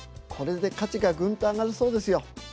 これで価値がぐんと上がるそうですよ。